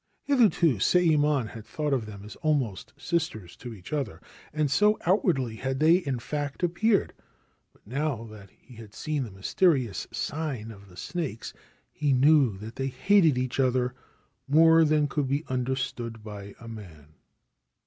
Hitherto Sayemon had thought of them as almost sisters to each other, and so outwardly had they in fact appeared ; but, now that he had seen the mysterious sign of the snakes, he knew that they hated each other more than could be understood by a man.